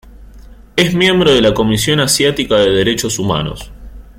Es miembro de la Comisión Asiática de Derechos Humanos